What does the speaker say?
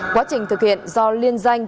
quá trình thực hiện do liên danh